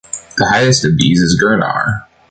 The highest of these is Girnar.